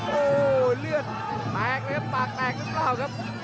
โอ้เลือดแปลกเลยครับปากแปลกรึเปล่าครับ